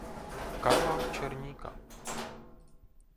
Karla Černíka.